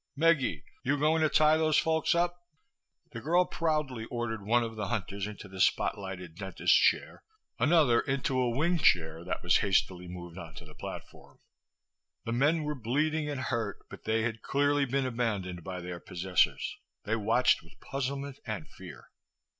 Meggie, you going to tie these folks up?" The girl proudly ordered one of the hunters into the spotlighted dentist's chair, another into a wing chair that was hastily moved onto the platform. The men were bleeding and hurt, but they had clearly been abandoned by their possessors. They watched with puzzlement and fear.